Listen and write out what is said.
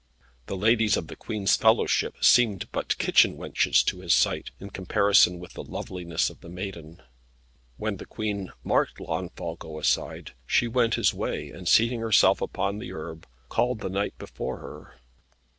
The ladies of the Queen's fellowship seemed but kitchen wenches to his sight, in comparison with the loveliness of the maiden. When the Queen marked Launfal go aside, she went his way, and seating herself upon the herb, called the knight before her.